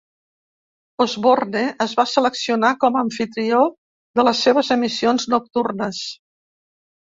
Osborne es va seleccionar com a amfitrió de les seves emissions nocturnes.